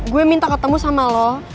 gue minta ketemu sama lo